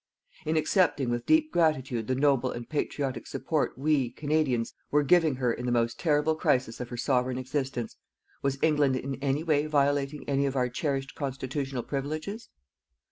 In accepting with deep gratitude the noble and patriotic support we, Canadians, were giving her in the most terrible crisis of her Sovereign existence, was England in any way violating any of our cherished constitutional privileges?